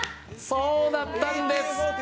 そうだったんです。